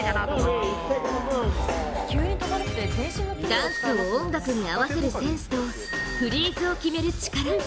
ダンスを音楽に合わせるセンスとフリーズを決める力。